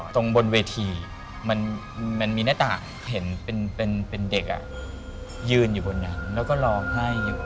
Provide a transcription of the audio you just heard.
บนเวทีมันมีหน้าต่างเห็นเป็นเด็กยืนอยู่บนนั้นแล้วก็ร้องไห้อยู่